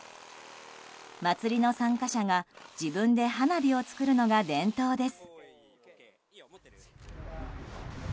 祭りの参加者が自分で花火を作るのが伝統です。